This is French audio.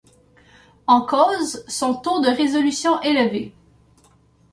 En cause, son taux de résolution élevé.